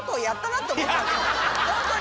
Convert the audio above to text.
ホントに。